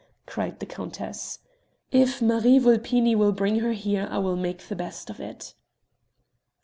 cried the countess. "If Marie Vulpini will bring her here I will make the best of it."